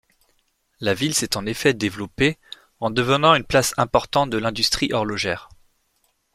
La ville s'est en effet développée en devenant une place importante de l'industrie horlogère.